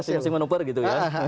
pasti masih menopar gitu ya